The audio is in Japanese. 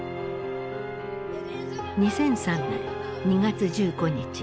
２００３年２月１５日。